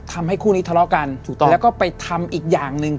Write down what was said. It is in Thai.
ทำให้คู่นี้ทะเลาะกันถูกต้องแล้วก็ไปทำอีกอย่างหนึ่ง